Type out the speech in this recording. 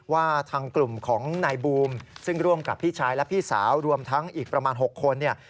ว่าทางกลุ่มของนายบูมซึ่งร่วมกับพี่ชายและพี่สาวรวมทั้งอีกประมาณ๖คนเนี่ย